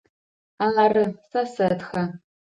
Ары, сэ сэтхэ.